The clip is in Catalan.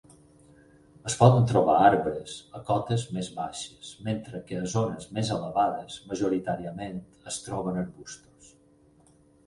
Es poden trobar arbres a cotes més baixes, mentre que a zones més elevades majoritàriament es troben arbustos.